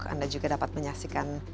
anda juga dapat menyaksikan